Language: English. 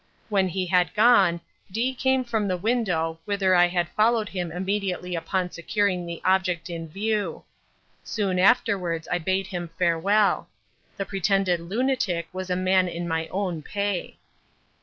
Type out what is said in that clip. When he had gone, D—— came from the window, whither I had followed him immediately upon securing the object in view. Soon afterwards I bade him farewell. The pretended lunatic was a man in my own pay."